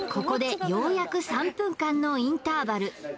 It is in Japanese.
ここでようやく３分間のインターバル